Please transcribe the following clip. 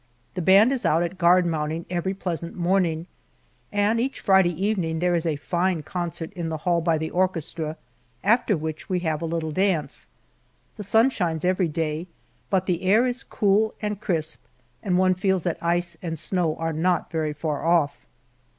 The band is out at guard mounting every pleasant morning, and each Friday evening there is a fine concert in the hall by the orchestra, after which we have a little dance. The sun shines every day, but the air is cool and crisp and one feels that ice and snow are not very far off.